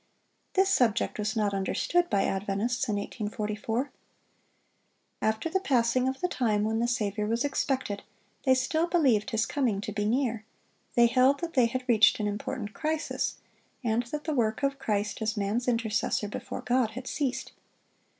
This subject was not understood by Adventists in 1844. After the passing of the time when the Saviour was expected, they still believed His coming to be near; they held that they had reached an important crisis, and that the work of Christ as man's intercessor before God, had ceased.